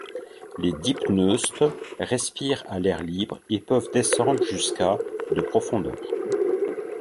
Les dipneustes respirent à l'air libre et peuvent descendre jusqu'à de profondeur.